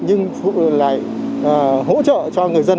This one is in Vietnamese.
nhưng lại hỗ trợ cho người dân